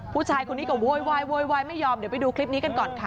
ผู้ชายคนนี้ก็โวยวายโวยวายไม่ยอมเดี๋ยวไปดูคลิปนี้กันก่อนค่ะ